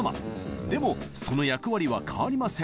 でもその役割は変わりません。